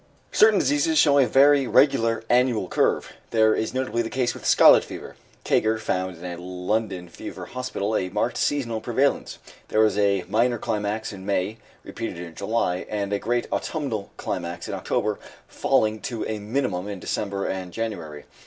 Certain diseases show a very regular annual curve. This is notably the case with scarlet fever. Caiger found in a London fever hospital a marked seasonal prevalence: there was a minor climax in May (repeated in July), and a great autumnal climax in October, falling to a minimum in December and January.